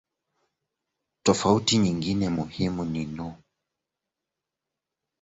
Tofauti nyingine muhimu ni no.